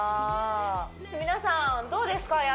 皆さんどうですか？